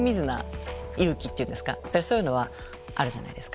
やっぱりそういうのはあるじゃないですか。